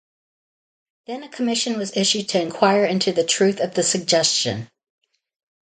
Then a commission was issued to inquire into the truth of the suggestion.